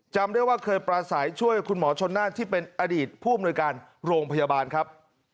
จำได้ว่าเคยปราศัยช่วยคุณหมอชนน่านที่เป็นอดีตผู้อำนวยการโรงพยาบาลครับ